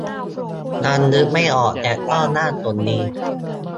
ยังนึกไม่ออก แต่ก็น่าสนดี